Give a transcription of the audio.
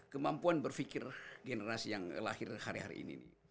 kemampuan berpikir generasi yang lahir hari hari ini